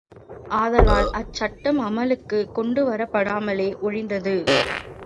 ஆதலால் அச்சட்டம் அமுலுக்குக் கொண்டுவரப்படாமலே ஒழிந்தது.